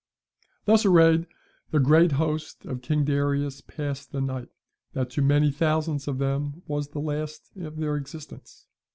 Thus arrayed, the great host of King Darius passed the night, that to many thousands of them was the last of their existence.